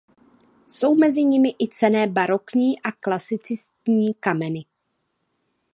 Jsou mezi nimi i cenné barokní a klasicistní kameny.